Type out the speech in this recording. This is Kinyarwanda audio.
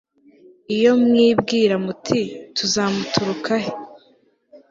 iyo mwibwira muti 'tuzamuturuka he